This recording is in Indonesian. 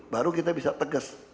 baru kita bisa tegas